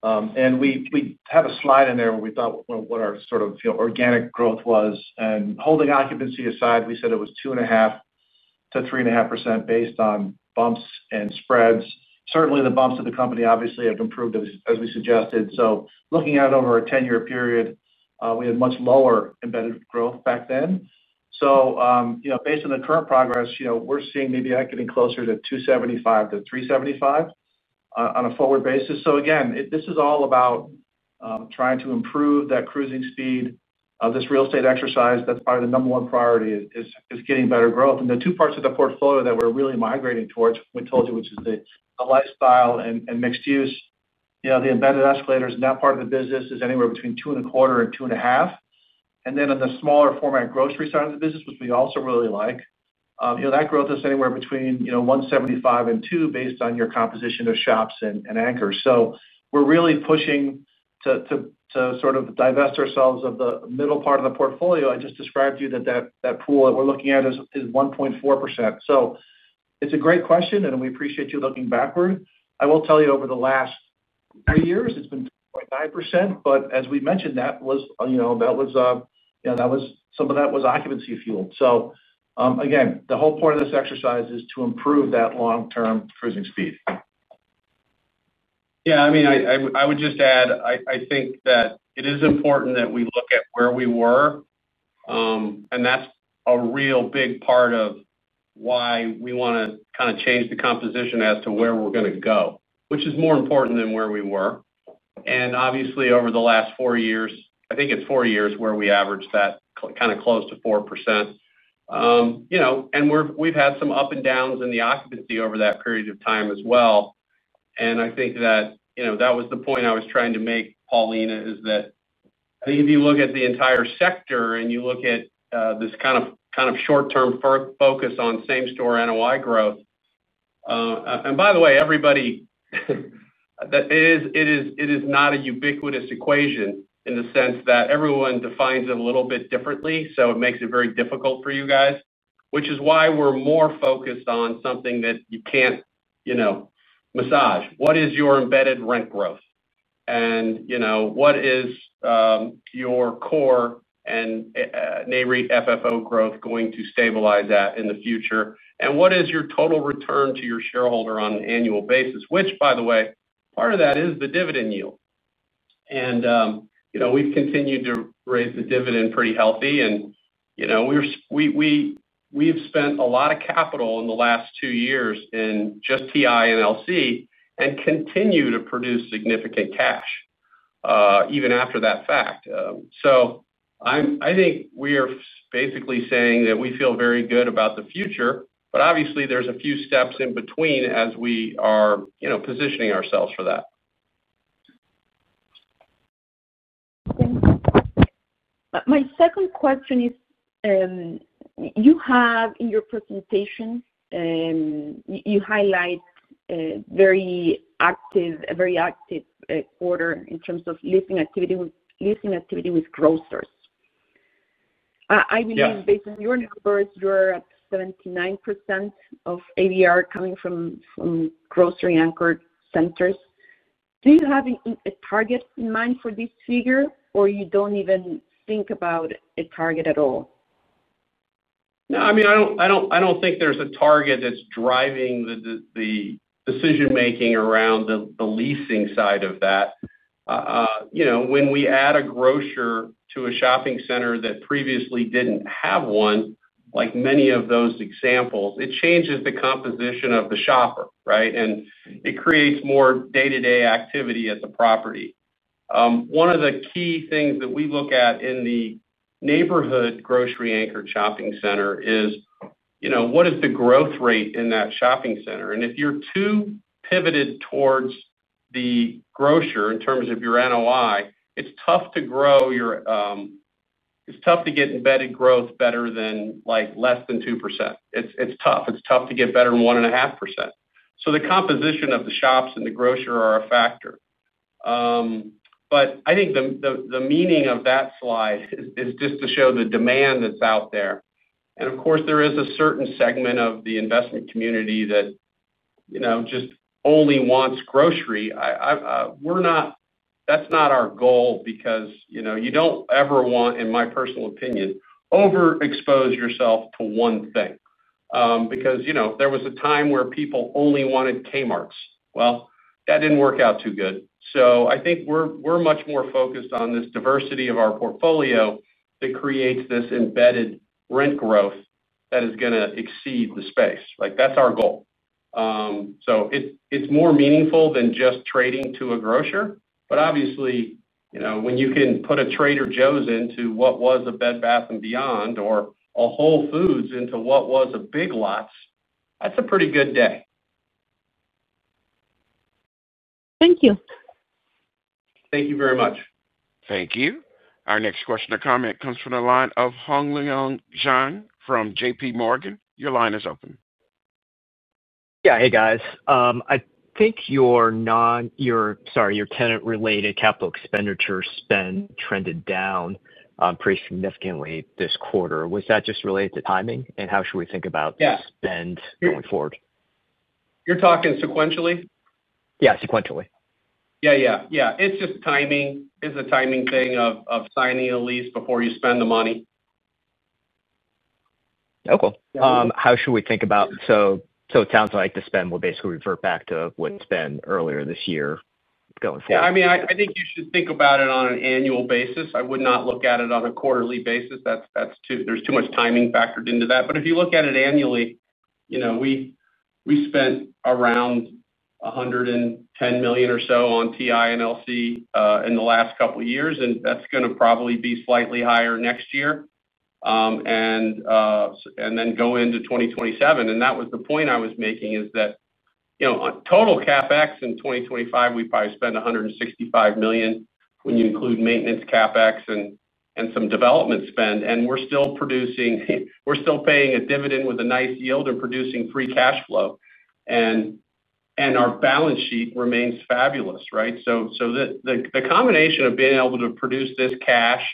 D: and we have a slide in there where we thought what our sort of organic growth was. Holding occupancy aside, we said it was 2.5%-3.5% based on bumps and spreads. Certainly the bumps of the company obviously have improved as we suggested. Looking at over a 10-year period, we had much lower embedded growth back then. Based on the current progress, we're seeing maybe that getting closer to 2.75%-3.75% on a forward basis. This is all about trying to improve that cruising speed of this real estate exercise. That's probably the number one priority, getting better growth. The two parts of the portfolio that we're really migrating towards, we told you, which is the lifestyle and mixed-use, the embedded escalators in that part of the business is anywhere between 2.25% and 2.5%. On the smaller format grocery side of the business, which we also really like, that growth is anywhere between 1.75% and 2% based on your composition of shops and anchors. We're really pushing to sort of divest ourselves of the middle part of the portfolio. I just described to you that that pool that we're looking at is 1.4%. It's a great question and we appreciate you looking backward. I will tell you over the last three years it's been 2.9%. As we mentioned, that was, you know, some of that was occupancy fueled. The whole point of this exercise is to improve that long term cruising speed.
C: I would just add, I think that it is important that we look at where we were and that's a real big part of why we want to kind of change the composition as to where we're going to go, which is more important than where we were. Obviously, over the last four years, I think it's four years where we averaged that kind of close to 4%, you know, and we've had some up and downs in the occupancy over that period of time as well. I think that was the point I was trying to make, Paulina, is that if you look at the entire sector and you look at this kind of short term focus on Same Property NOI growth, and by the way, everybody, it is not a ubiquitous equation in the sense that everyone defines it a little bit differently. It makes it very difficult for you guys, which is why we're more focused on something that you can't, you know, massage. What is your embedded rent growth and, you know, what is your Core and NAREIT FFO growth going to stabilize at in the future and what is your total return to your shareholder on an annual basis, which by the way, part of that is the dividend yield. We've continued to raise the dividend pretty healthy and we've spent a lot of capital in the last two years in just TI and LC and continue to produce significant cash even after that fact. I think we are basically saying that we feel very good about the future, but obviously there's a few steps in between as we are positioning ourselves for that. My second question is, you have in your presentation, you highlight a very active quarter in terms of leasing activity with grocers. I believe based on your numbers, you're at 79% of ABR coming from grocery anchored centers. Do you have a target in mind for this figure or you don't even think about a target at all? No, I mean, I don't think there's a target that's driving the decision making around the leasing side of that. You know, when we add a grocer to a shopping center that previously didn't have one, like many of those examples, it changes the composition of the shopper. Right. It creates more day-to-day activity at the property. One of the key things that we look at in the neighborhood grocery-anchored shopping center is, you know, what is the growth rate in that shopping center. If you're too pivoted towards the grocer in terms of your NOI, it's tough to grow. It's tough to get embedded growth better than like less than 2%. It's tough to get better than 1.5%. The composition of the shops and the grocer are a factor. I think the meaning of that slide is just to show the demand that's out there. Of course, there is a certain segment of the investment community that, you know, just only wants grocery. We're not, that's not our goal because, you know, you don't ever want, in my personal opinion, to overexpose yourself to one thing because, you know, there was a time where people only wanted Kmarts. That didn't work out too good. I think we're much more focused on this diversity of our portfolio that creates this embedded rent growth that is going to exceed the space. That's our goal. It's more meaningful than just trading to a grocer. Obviously, when you can put a Trader Joe's into what was a Bed Bath and Beyond or a Whole Foods into what was a Big Lots, that's a pretty good day.
M: Thank you.
C: Thank you very much.
A: Thank you. Our next question or comment comes from the line of Hongliang Zhang from JPMorgan. Your line is open. Yeah.
N: Hey guys, I think your tenant-related capital expenditure spend trended down pretty significantly this quarter. Was that just related to timing and how should we think about spend going forward?
C: You're talking sequentially.
N: Yeah, sequentially.
C: Yeah, yeah, yeah. It's just timing, it's the timing thing of signing a lease before you spend the money.
N: Okay, how should we think about, so it sounds like the spend will basically revert back to what spend earlier this year going forward.
C: I mean, I think you should think about it on an annual basis. I would not look at it on a quarterly basis. There's too much timing factored into that. If you look at it annually, you know, we spent around $110 million or so on TI and LC in the last couple years. That's going to probably be slightly higher next year and then go into 2027. That was the point I was making, is that, you know, total CapEx in 2025, we probably spend $165 million when you include maintenance CapEx and some development spend. We're still producing, we're still paying a dividend with a nice yield and producing free cash flow. Our balance sheet remains fabulous. The combination of being able to produce this cash,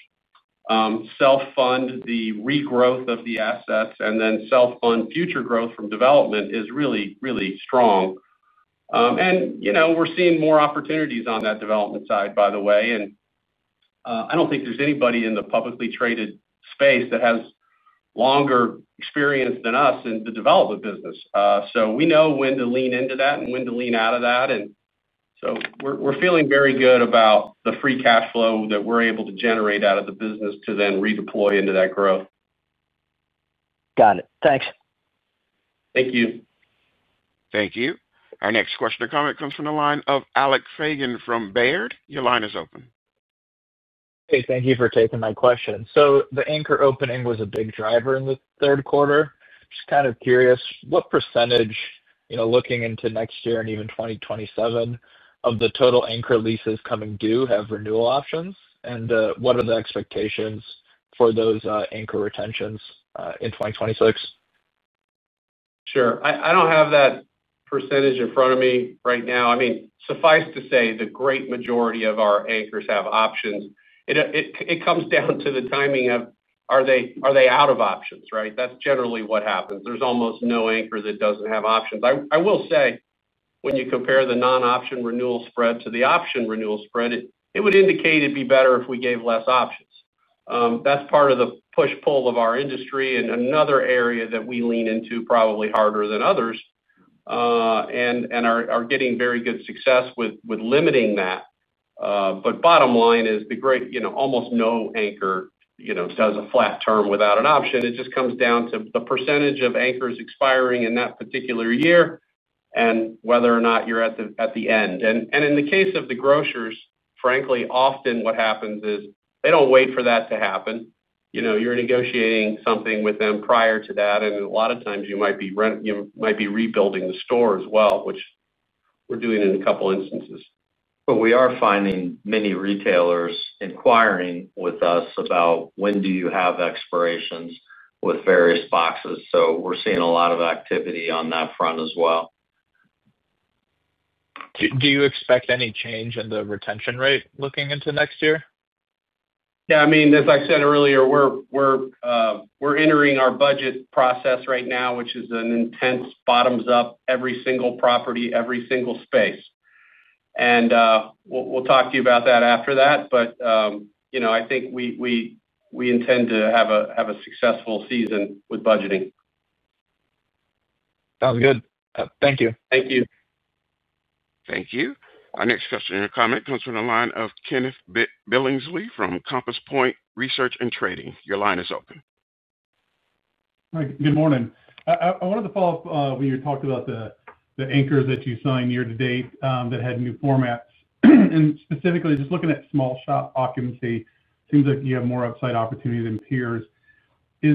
C: self-fund the regrowth of the assets, and then self-fund future growth from development is really, really strong. We're seeing more opportunities on that development side, by the way. I don't think there's anybody in the publicly traded space that has longer experience than us in the development business. We know when to lean into that and when to lean out of that. We're feeling very good about the free cash flow that we're able to generate out of the business to then redeploy into that growth.
N: Got it. Thanks.
C: Thank you.
A: Our next question or comment comes from the line of Alec Feygin from Baird. Your line is open.
O: Hey, thank you for taking my question. The anchor opening was a big driver in the third quarter. Just kind of curious what percentage, you know, looking into next year and even 2027 of the total anchor leases coming due have renewal options. What are the expectations for those anchor retentions in 2026?
C: Sure, I don't have that percentage in front of me right now. Suffice to say, the great majority of our anchors have options. It comes down to the timing of are they out of options. That's generally what happens. There's almost no anchor that doesn't have options. I will say when you compare the non-option renewal spread to the option renewal spread, it would indicate it'd be better if we gave less options. That's part of the push-pull of our industry and another area that we lean into, probably harder than others and are getting very good success with limiting that. Bottom line is the great, you know, almost no anchor, you know, does a flat term without an option. It just comes down to the percentage of anchors expiring in that particular year and whether or not you're at the end. In the case of the grocers, frankly, often what happens is they don't wait for that to happen. You're negotiating something with them prior to that. A lot of times you might be rebuilding the store as well, which we're doing in a couple instances. We are finding many retailers inquiring with us about when do you have expirations with various boxes. We're seeing a lot of activity on that front as well.
O: Do you expect any change in the retention rate looking into next year?
C: Yeah, I mean, as I said earlier, we're entering our budget process right now, which is an intense bottoms up, every single property, every single space. We'll talk to you about that after that. I think we intend to have a successful season with budgeting.
O: Sounds good. Thank you.
C: Thank you.
A: Thank you. Our next question or comment comes from the line of Kenneth Billingsley from Compass Point Research & Trading. Your line is open.
P: Good morning. I wanted to follow up when you talked about the anchors that you sign year to date that had new formats and specifically just looking at small shop occupancy, seems like you have more upside opportunities than peers. Are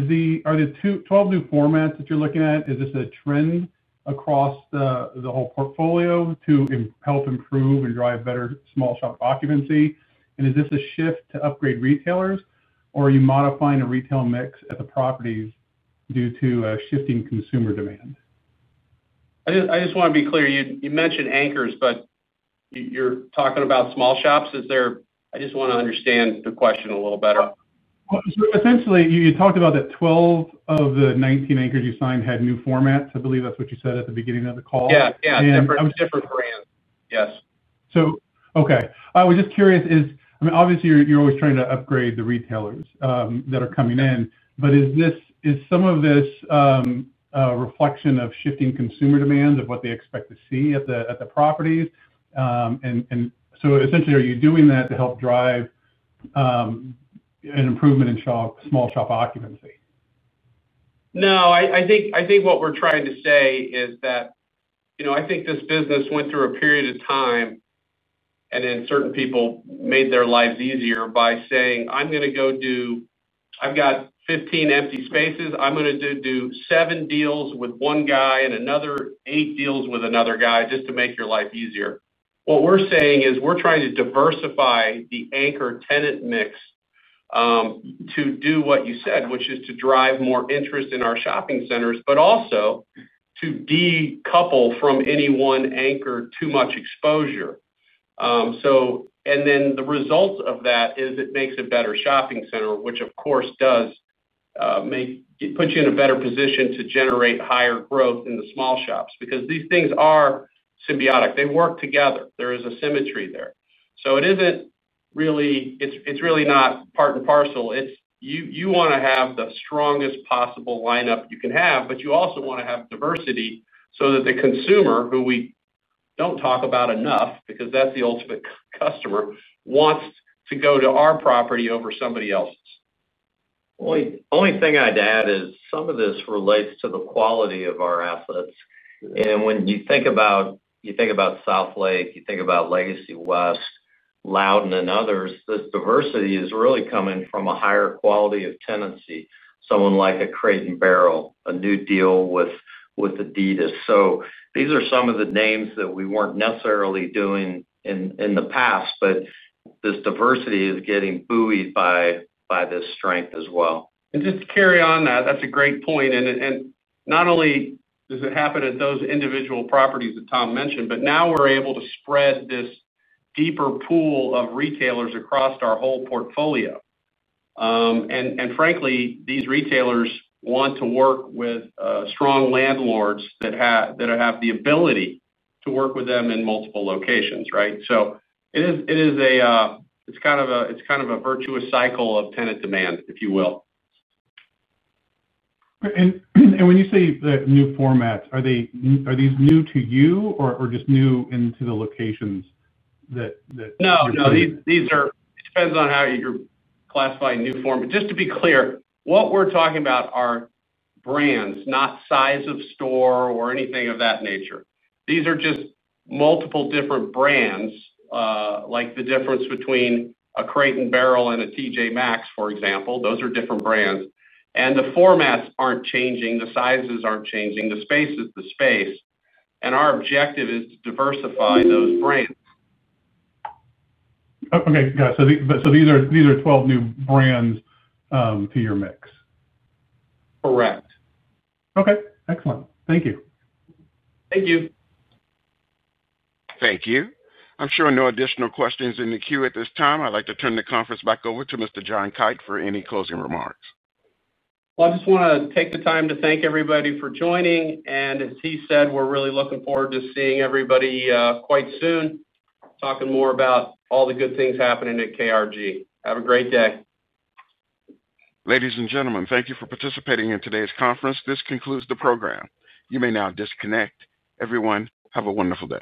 P: the 12 new formats that you're looking at a trend across the whole portfolio to help improve and drive better small shop occupancy? Is this a shift to upgrade retailers or are you modifying a retail mix at the properties due to shifting consumer demand?
C: I just want to be clear. You mentioned anchors, but you're talking about small shops. I just want to understand the question a little better.
P: Essentially, you talked about that 12 of the 19 anchors you signed had new formats. I believe that's what you said at the beginning of the call.
C: Yeah. Yeah. Different brands. Yes.
P: I was just curious. Obviously, you're always trying to upgrade the retailers that are coming in, but is some of this a reflection of shifting consumer demand of what they expect to see at the properties? Essentially, are you doing that to help drive an improvement in small shop occupancy?
C: No, I think what we're trying to say is that this business went through a period of time and then certain people made their lives easier by saying, I'm going to go do, I've got 15 empty spaces, I'm going to do seven deals with one guy and another eight deals with another guy just to make your life easier. What we're saying is we're trying to diversify the anchor tenant mix to do what you said, which is to drive more interest in our shopping centers, but also to decouple from any one anchor, too much exposure. The result of that is it makes a better shopping center, which of course does put you in a better position to generate higher growth in the small shops because these things are symbiotic. They work together. There is a symmetry there. So it isn't really. It's really not part and parcel. You want to have the strongest possible lineup you can have, but you also want to have diversity so that the consumer, who we don't talk about enough because that's the ultimate customer, wants to go to our property over somebody else's.
J: The only thing I'd add is some of this relates to the quality of our assets. When you think about South Lake, you think about Legacy, West, Loudoun and others. This diversity is really coming from a higher quality of tenancy. Someone like a Crate and Barrel, a new deal with Adidas. These are some of the names that we weren't necessarily doing in the past, but this diversity is getting buoyed by this strength as well.
C: Just to carry on that, that's a great point. Not only does it happen at those individual properties that Tom mentioned, but now we're able to spread this deeper pool of retailers across our whole portfolio. Frankly, these retailers want to work with strong landlords that have the ability to work with them in multiple locations. Right. It's kind of a virtuous cycle of tenant demand, if you will.
P: When you say new formats, are these new to you or just new into the locations?
C: No, these are. It depends on how you're classifying new form. Just to be clear, what we're talking about are brands, not size of store or anything of that nature. These are just multiple, different brands. Like the difference between a Crate and Barrel and a TJ Maxx, for example. Those are different brands. The formats aren't changing, the sizes aren't changing, the space is the space. Our objective is to diversify those brands.
P: Okay, so these are 12 new brands to your mix.
C: Correct.
P: Okay. Excellent. Thank you.
C: Thank you.
A: Thank you, I'm sure. No additional questions in the queue at this time. I'd like to turn the conference back over to Mr. John Kite for any closing remarks.
C: I just want to take the time to thank everybody for joining. As he said, we're really looking forward to seeing everybody quite soon, talking more about all the good things happening at Kite Realty Group Trust. Have a great day.
A: Ladies and gentlemen, thank you for participating in today's conference. This concludes the program. You may now disconnect. Everyone, have a wonderful day.